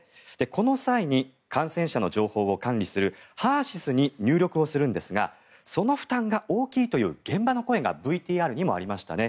この際に感染者の情報を管理するＨＥＲ−ＳＹＳに入力をするんですがその負担が大きいという現場の声がＶＴＲにもありましたね。